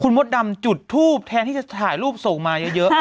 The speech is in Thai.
มดดำจุดทูปแทนที่จะถ่ายรูปส่งมาเยอะ